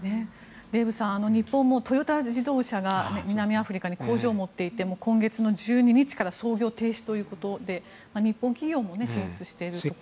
デーブさん日本もトヨタ自動車が南アフリカに工場を持っていて今月１２日から操業停止ということで日本企業も進出していると。